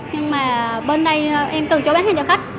nhưng mà bên đây em từng chỗ bán thề kèo cho khách